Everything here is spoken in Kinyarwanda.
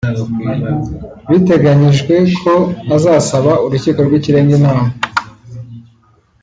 Biteganyijwe ko azasaba urukiko rw’ikirenga inama